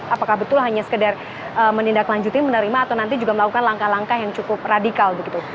apakah betul hanya sekedar menindaklanjuti menerima atau nanti juga melakukan langkah langkah yang cukup radikal begitu